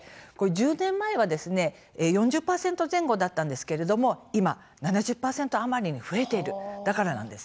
１０年前は４０％前後だったのが今、７０％余りに増えているからなんです。